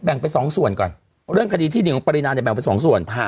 ไปสองส่วนก่อนเรื่องคดีที่หนึ่งของปรินาเนี่ยแบ่งเป็นสองส่วน